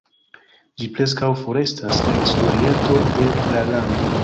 Ĝi preskaŭ forestas el sudoriento de la lando.